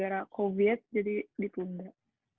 gara gara covid jadi ditunda